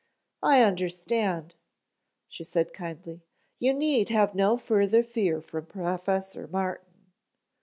"I understand," she said kindly. "You need have no further fear from Professor Martin.